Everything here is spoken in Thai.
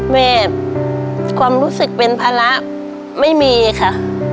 แบบความรู้สึกเป็นภาระไม่มีค่ะ